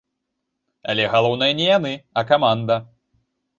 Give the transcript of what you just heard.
Але галоўнае не яны, а каманда.